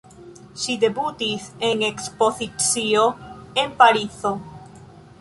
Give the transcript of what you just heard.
Ŝi debutis en ekspozicio en Parizo.